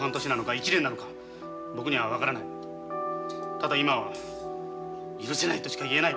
ただ今は許せないとしか言えない。